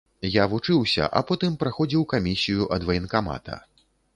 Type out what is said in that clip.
Я вучыўся, а потым праходзіў камісію ад ваенкамата.